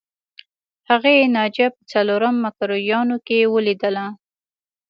هغې ناجیه په څلورم مکروریانو کې ولیدله